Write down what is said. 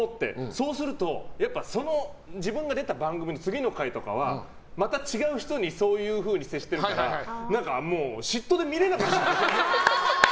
そうすると自分が出た番組の次の回とかはまた違う人にそういうふうに接しているから何か嫉妬で見れなくなっちゃう。